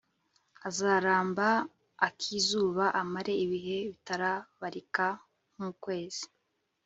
azaramba ak'izuba, amare ibihe bitabarika nk'ukwezi